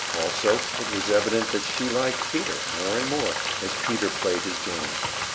Also it was evident that she liked Peter more and more as Peter played his game.